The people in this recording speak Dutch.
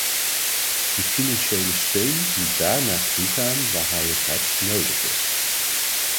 De financiële steun moet daar naartoe gaan, waar hij het hardst nodig is.